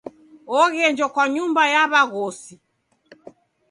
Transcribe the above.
Oghenjwa kwa nyumba ya w'aghosi.